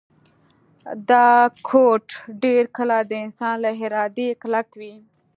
دا کوډ ډیر کله د انسان له ارادې کلک وي